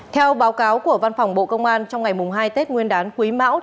theo báo cáo của văn phòng bộ công an trong ngày hai tết nguyên đán quý mão